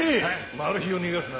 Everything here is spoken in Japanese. マルヒを逃がすな。